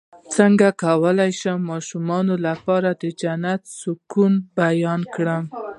څنګه کولی شم د ماشومانو لپاره د جنت د سکون بیان کړم